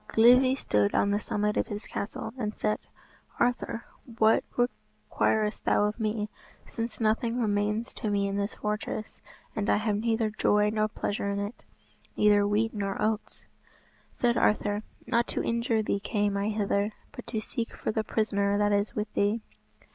Glivi stood on the summit of his castle, and said, "Arthur, what requirest thou of me, since nothing remains to me in this fortress, and I have neither joy nor pleasure in it; neither wheat nor oats?" Said Arthur, "Not to injure thee came I hither, but to seek for the prisoner that is with thee."